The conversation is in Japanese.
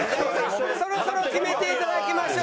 そろそろ決めていただきましょう。